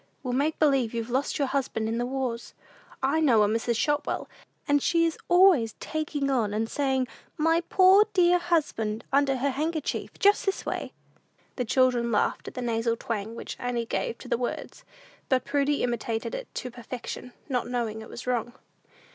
We'll make believe you've lost your husband in the wars. I know a Mrs. Shotwell, and she is always taking on, and saying, 'My poor dear husband,' under her handkerchief; just this way." The children laughed at the nasal twang which Annie gave to the words, and Prudy imitated it to perfection, not knowing it was wrong.